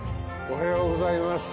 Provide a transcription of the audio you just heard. おはようございます。